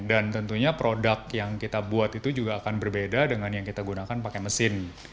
dan tentunya produk yang kita buat itu juga akan berbeda dengan yang kita gunakan pakai mesin